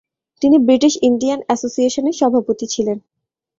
তিনি British Indian অ্যাসোসিয়েশনের সভাপতি ছিলেন।